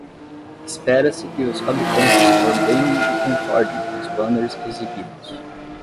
Espera-se que os fabricantes coordenem e concordem com os banners exibidos.